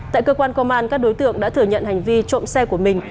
tại cơ quan công an các đối tượng đã thừa nhận hành vi trộm xe của mình